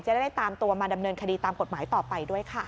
จะได้ตามตัวมาดำเนินคดีตามกฎหมายต่อไปด้วยค่ะ